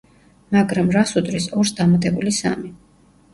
მაგრამ, რას უდრის ორს დამატებული სამი?